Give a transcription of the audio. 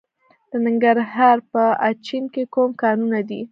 د ننګرهار په اچین کې کوم کانونه دي؟